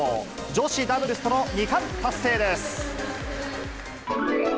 女子ダブルスとの２冠達成です。